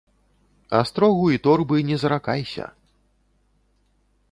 Астрогу і торбы не заракайся.